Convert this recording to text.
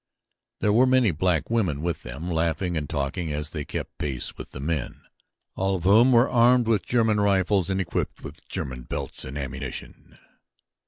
There were many black women with them, laughing and talking as they kept pace with the men, all of whom were armed with German rifles and equipped with German belts and ammunition.